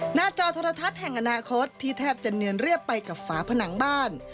จอโทรทัศน์แห่งอนาคตที่แทบจะเนียนเรียบไปกับฝาผนังบ้าน